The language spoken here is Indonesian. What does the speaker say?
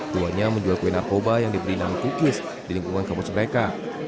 duanya menjual kue narkoba yang diberi nama kukis di lingkungan kampus mereka